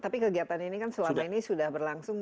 tapi kegiatan ini kan selama ini sudah berlangsung